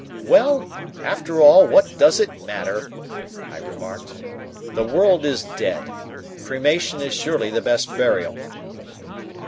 "Well, after all, what does it matter?" I remarked. "The world is dead. Cremation is surely the best burial."